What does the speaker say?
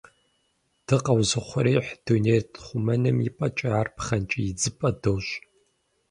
Дыкъэузыухъуреихь дунейр тхъумэным и пӏэкӏэ, ар пхъэнкӏий идзыпӏэ дощӏ.